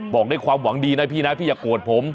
บอกได้ความหวังดีพี่นะพี่อย่ากวดผม